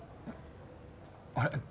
あれ？